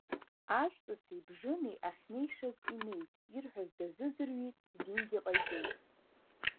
Ажәҵыси Бжынеи ахьнеишаз инеит, ирҳәаз дазыӡырҩит, зингьы ҟаиҵеит…